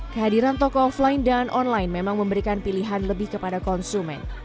kehadiran toko offline dan online memang memberikan pilihan lebih kepada konsumen